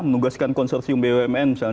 menugaskan konsertium bumn misalnya